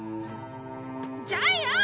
ジャイアン！